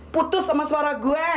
putus sama suara gue